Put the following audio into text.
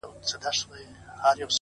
خاموش کار تر لوړ غږ قوي وي